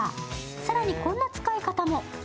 更に、こんな使い方も。